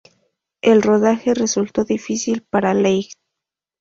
El rodaje resultó difícil para Leigh.